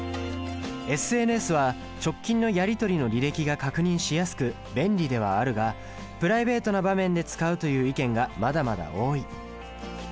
ＳＮＳは直近のやりとりの履歴が確認しやすく便利ではあるがプライベートな場面で使うという意見がまだまだ多い。